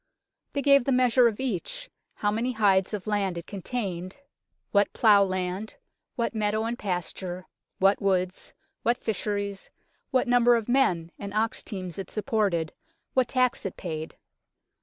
They gave the measure of each, how many hides of land it contained, what plough land, what THE DOMESDAY BOOK 75 meadow and pasture, what woods, what fisheries, what number of men and ox teams it supported, what tax it paid.